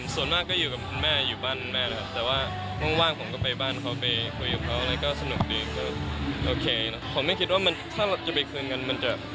ส่วนมากก็อยู่กับคุณแม่อยู่บ้านแม่นะครับ